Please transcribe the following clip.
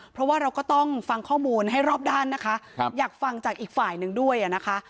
เพราะว่าเราก็ต้องฟังข้อมูลให้รอบด้านนะคะอยากฟังจากอีกฝ่ายหนึ่งด้วยอ่ะนะคะ